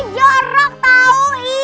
jorok tau ii